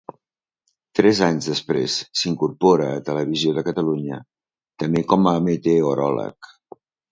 Tres anys després s'incorpora a Televisió de Catalunya també com a meteoròleg.